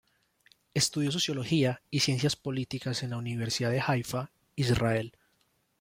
Estudió sociología y Ciencias Políticas en la Universidad de Haifa, Israel.